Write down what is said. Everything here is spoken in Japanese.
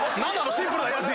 シンプルなやじ！